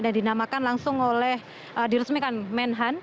dan dinamakan langsung oleh diresmikan men han